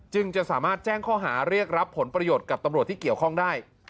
จึงจะสามารถแจ้งข้อหาเรียกรับผลประโยชน์กับตำรวจที่เกี่ยวข้องได้